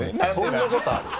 そんなことある？